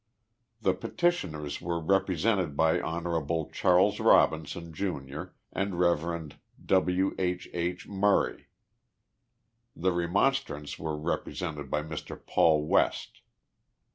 The petitioners were represented by lion. Charles Robinson, Jr., and Rev. W. II. H. Murray. The remonstrants were repre sented by Mr. Paul West.